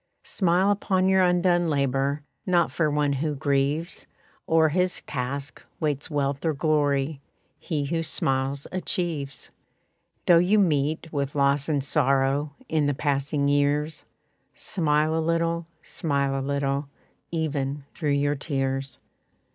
Smile upon your undone labor; Not for one who grieves O'er his task, waits wealth or glory; He who smiles achieves. Though you meet with loss and sorrow In the passing years, Smile a little, smile a little, Even through your tears.